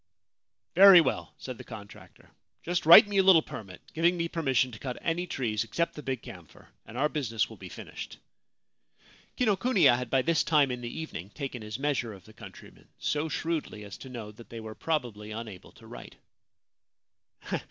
' Very well/ said the contractor. * Just write me a little permit, giving me permission to cut any trees except the big camphor, and our business will be finished.7 Kinokuniya had by this time in the evening taken his measure of the countrymen — so shrewdly as to know that they were probably unable to write.